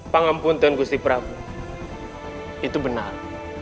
pangampunten gusti prabu itu benar